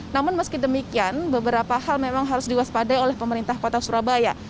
namun meski demikian beberapa hal memang harus diwaspadai oleh pemerintah kota surabaya